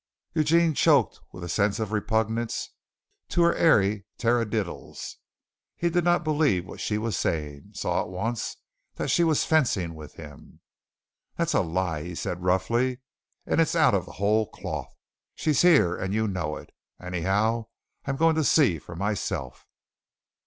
Eugene choked with a sense of repugnance to her airy taradiddles. He did not believe what she was saying saw at once that she was fencing with him. "That's a lie," he said roughly, "and it's out of the whole cloth! She's here, and you know it. Anyhow, I am going to see for myself."